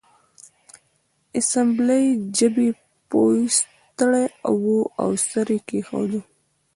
د اسامبلۍ ژبې پوه ستړی و او سر یې کیښود